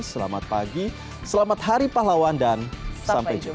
selamat pagi selamat hari pahlawan dan sampai jumpa